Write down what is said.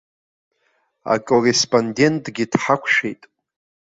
Акорреспондентгьы дҳақәшәеит.